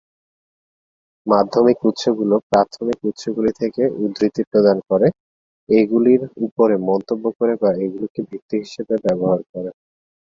মাধ্যমিক উৎসগুলি প্রাথমিক উৎসগুলি থেকে উদ্ধৃতি প্রদান করে, এগুলির উপরে মন্তব্য করে বা এগুলিকে ভিত্তি হিসেবে ব্যবহার করে।